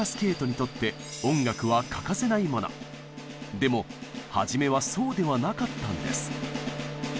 でも初めはそうではなかったんです。